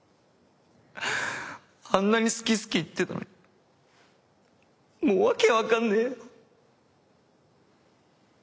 あんなに「好き好き」言ってたのにもう訳分かんねぇよ。